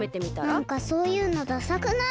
なんかそういうのダサくない？